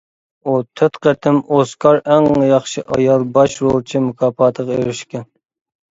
ئۇ تۆت قېتىم ئوسكار ئەڭ ياخشى ئايال باش رولچى مۇكاپاتىغا ئېرىشكەن.